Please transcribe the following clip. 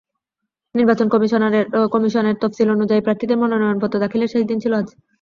নির্বাচন কমিশনের তফসিল অনুযায়ী, প্রার্থীদের মনোনয়নপত্র দাখিলের শেষ দিন ছিল আজ।